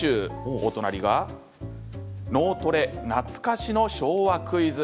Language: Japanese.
お隣が脳トレ「懐かしの昭和クイズ」。